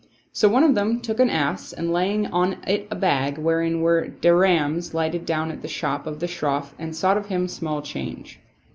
So one of them took an ass and laying on it a bag, wherein were dirhams, lighted down at the shop of the Shroff and sought of him small change.